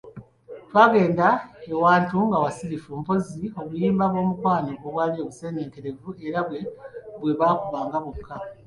Twagenda ewantu nga wasirifu mpozzi obuyimba bw'omukwano obwali obuseeneekerevu era bwe baakubanga bwokka.